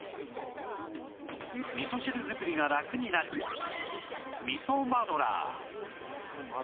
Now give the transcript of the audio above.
味噌汁作りがラクになる「味噌マドラー」